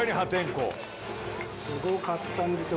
すごかったんですよ